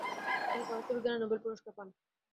তিনি পদার্থবিজ্ঞানে নোবেল পুরস্কার পান।